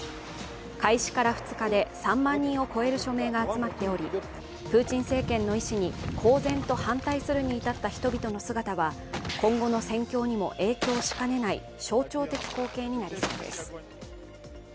開始から２日で３万人を超える署名が集まっておりプーチン政権の意思に公然と反対するに至った人々の姿は今後の戦況にも影響しかねない象徴的光景になりそうです。